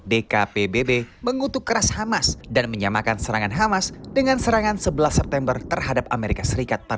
dkpbb mengutuk keras hamas dan menyamakan serangan hamas dengan serangan sebelas september terhadap amerika serikat per dua ribu satu